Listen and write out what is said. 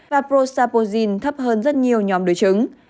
và prosapozin thấp hơn rất nhiều nhóm đối chứng